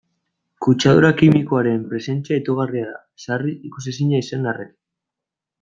Kutsadura kimikoaren presentzia itogarria da, sarri ikusezina izan arren.